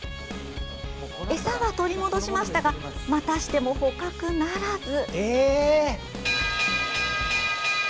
餌は取り戻しましたがまたしても捕獲ならず。